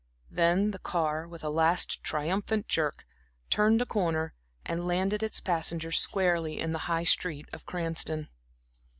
Then the car, with a last triumphant jerk, turned a corner and landed its passengers squarely in the High Street of Cranston.